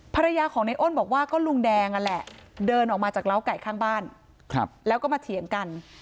ภรรยาของในอ้นบอกว่าก็ลุงแดงนั่นแหละเดินออกมาจากล้าไก่ข้างบ้านแล้วก็มาเถียงกัน